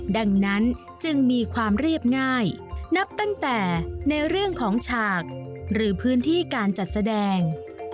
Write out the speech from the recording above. ดังนั้นจึงมีความเรียบง่ายนับตั้งแต่ในเรื่องของฉากหรือพื้นที่การจัดแสดง